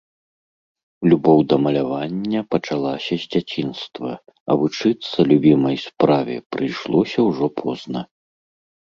Любоў да малявання пачалася з дзяцінства, а вучыцца любімай справе прыйшлося ўжо позна.